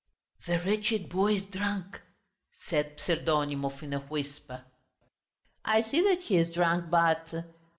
"The wretched boy is drunk," said Pseldonimov in a whisper. "I see that he is drunk, but...."